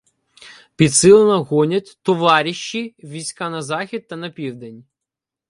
— Підсилено гонять "товаріщі" війська на захід та на південь.